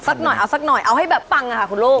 หน่อยเอาสักหน่อยเอาให้แบบปังค่ะคุณลูก